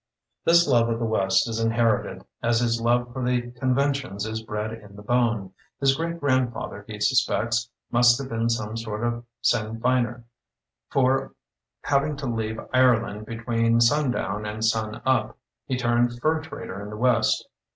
This love of the west is inherited, as his love for the conventions is bred in the bone. His great grandfather, he suspects, must have been some sort of Sinn Feiner, for, having to leave Ireland between sun down and sun up, he turned fur trader in the west.